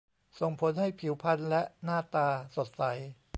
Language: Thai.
ส่งผลให้ผิวพรรณและหน้าตาสดใส